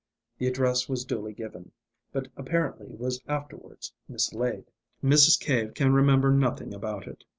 The address was duly given, but apparently was afterwards mislaid. Mrs. Cave can remember nothing about it.